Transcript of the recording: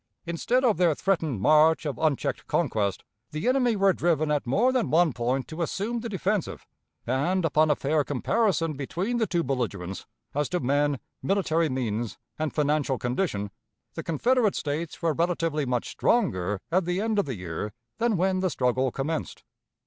Instead of their threatened march of unchecked conquest, the enemy were driven at more than one point to assume the defensive; and, upon a fair comparison between the two belligerents, as to men, military means, and financial condition, the Confederate States were relatively much stronger at the end of the year than when the struggle commenced.